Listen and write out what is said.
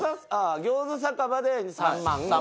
餃子酒場で３万。